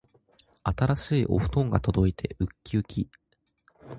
新しいお布団が届いてうっきうき